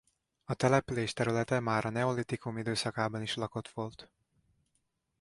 A település területe már a neolitikum időszakában is lakott volt.